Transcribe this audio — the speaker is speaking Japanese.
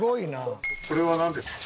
これはなんですか？